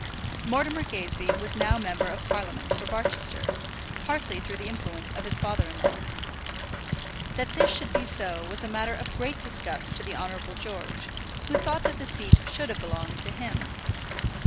Mortimer Gazebee was now member of Parliament for Barchester, partly through the influence of his father in law. That this should be so was a matter of great disgust to the Honourable George, who thought that the seat should have belonged to him.